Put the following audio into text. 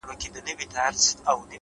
اخلاص د کردار ریښتینی وزن دی!